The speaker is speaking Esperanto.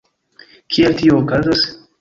Kiel tio okazas?